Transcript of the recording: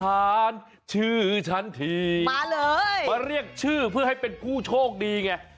ฉันชื่อฉันทีมาเลยมาเรียกชื่อเพื่อให้เป็นผู้โชคดีไง